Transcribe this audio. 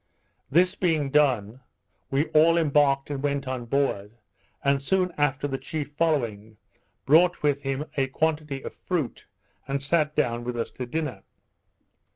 This being done, we all embarked and went on board; and soon after the chief following, brought with him a quantity of fruit, and sat down with us to dinner.